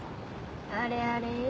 あれあれ？